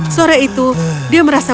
sore itu dia merasa